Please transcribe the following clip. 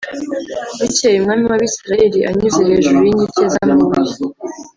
Bukeye umwami w’Abisirayeli anyuze hejuru y’inkike z’amabuye